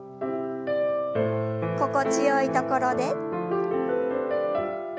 心地よいところで。